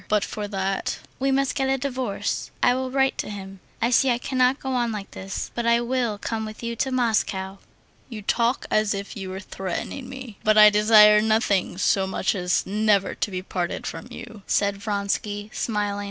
But for that...." "We must get a divorce. I will write to him. I see I cannot go on like this.... But I will come with you to Moscow." "You talk as if you were threatening me. But I desire nothing so much as never to be parted from you," said Vronsky, smiling.